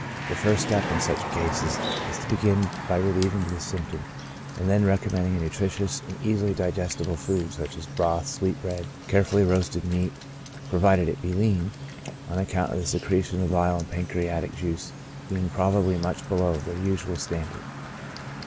The first step in such cases is to begin by relieving this symptom, and then recommending a nutritious and easily digestible food, such as broth, sweetbread, carefully roasted meat, provided it be lean, on account of the secretion of bile and pancreatic juice being probably much below their usual standard.